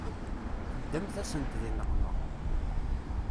Teddamt-asent di nneqma.